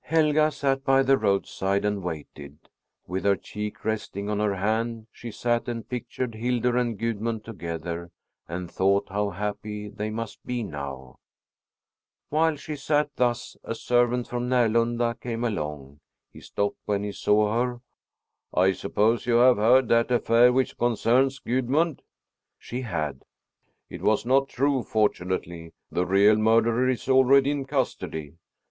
Helga sat by the roadside and waited. With her cheek resting on her hand, she sat and pictured Hildur and Gudmund together and thought how happy they must be now. While she sat thus, a servant from Närlunda came along. He stopped when he saw her. "I suppose you have heard that affair which concerns Gudmund?" She had. "It was not true, fortunately. The real murderer is already in custody."